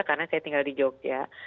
karena saya tinggal di jogja